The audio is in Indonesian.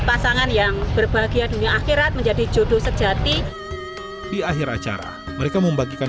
pasangan yang berbahagia dunia akhirat menjadi jodoh sejati di akhir acara mereka membagikan